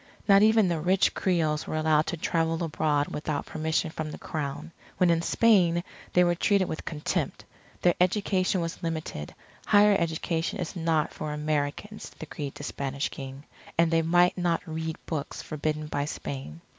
Not even the rich Creoles were allowed to travel abroad without permission from the Crown. When in Spain they were treated with contempt. Their education was limited, higher education is not for Americans, decreed the Spanish King. And they might not read books forbidden by Spain.